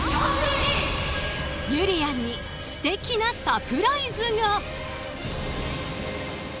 ゆりやんにすてきなサプライズが。